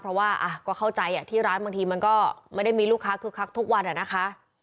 เพราะว่าก็เข้าใจที่ร้านบางทีมันก็ไม่ได้มีลูกค้าคึกคักทุกวันอะนะคะ